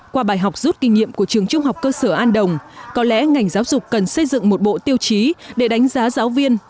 qua bài học rút kinh nghiệm của trường trung học cơ sở an đồng có lẽ ngành giáo dục cần xây dựng một bộ tiêu chí để đánh giá giáo viên